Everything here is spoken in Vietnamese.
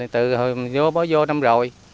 từ mới vô năm rồi